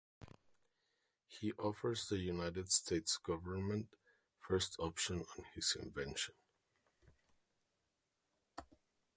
He offers the United States government first option on his invention.